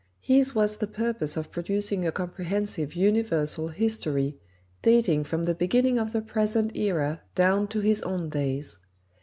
His was the purpose of producing a comprehensive "universal history," dating from the beginning of the present era down to his own days.